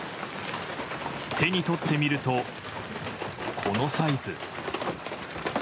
手に取ってみると、このサイズ。